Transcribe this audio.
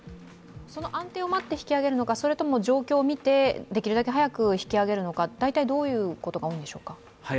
その安定を待って引き揚げるのか、それとも状況を見てできるだけ早く引き揚げるのか大体、どういうことが多いんでしょうか？